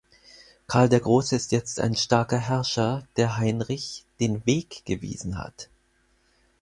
Karl der Große ist jetzt ein starker Herrscher, der Heinrich „den Weg gewiesen hat“.